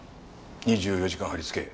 ２４時間張り付け。